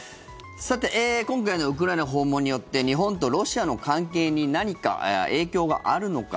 今回のウクライナ訪問によって日本とロシアの関係に何か影響があるのか。